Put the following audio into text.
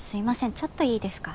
ちょっといいですか？